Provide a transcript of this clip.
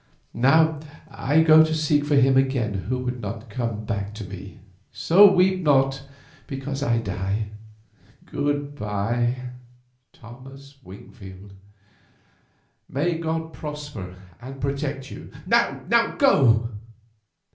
Now I go to seek for him again who could not come back to me, so weep not because I die. Good bye, Thomas Wingfield. May God prosper and protect you! Now go!"